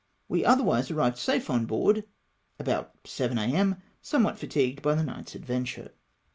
We otherwise arrived safe on board about 7 A.M., somewhat fatigued by the night's adventure.